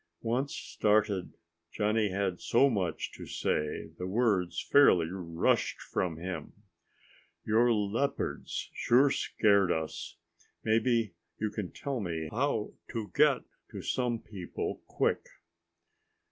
Once started, Johnny had so much to say the words fairly rushed from him. "Your leopards sure scared us. Maybe you can tell me how to get to some people quick.